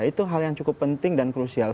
itu hal yang cukup penting dan krusial